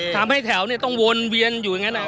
แถวเนี่ยต้องวนเวียนอยู่อย่างนั้น